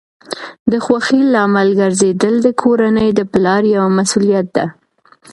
د خوښۍ لامل ګرځیدل د کورنۍ د پلار یوه مسؤلیت ده.